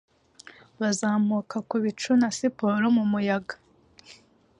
Bazamuka ku bicu, na siporo mu muyaga;